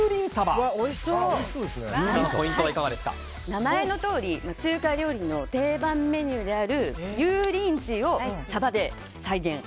名前のとおり中華料理の定番メニューである油淋鶏をサバで再現。